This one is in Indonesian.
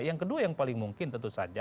yang kedua yang paling mungkin tentu saja